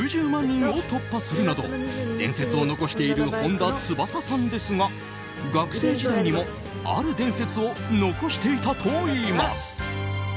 人を突破するなど伝説を残している本田翼さんですが学生時代にも、ある伝説を残していたといいます。